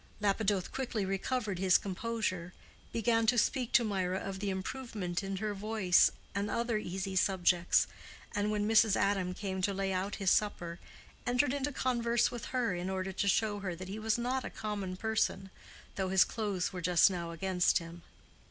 Lapidoth quickly recovered his composure, began to speak to Mirah of the improvement in her voice, and other easy subjects, and when Mrs. Adam came to lay out his supper, entered into converse with her in order to show her that he was not a common person, though his clothes were just now against him.